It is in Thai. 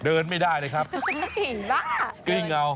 เดินไม่ได้เลยครับเย็นปะเกรี้ยงเงา